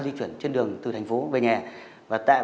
là chứng minh nó vô tội